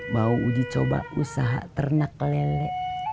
mau uji coba usaha ternak lele